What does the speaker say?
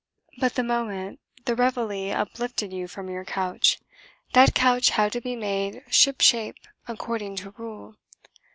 But the moment the Réveillé uplifted you from your couch, that couch had to be made ship shape according to rule.